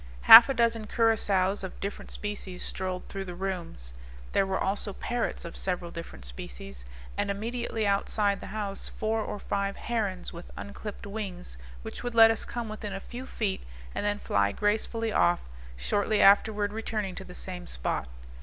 Half a dozen curassows of different species strolled through the rooms; there were also parrots of several different species, and immediately outside the house four or five herons, with unclipped wings, which would let us come within a few feet and then fly gracefully off, shortly afterward returning to the same spot.